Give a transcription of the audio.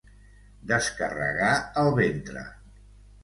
Descarregar el ventre.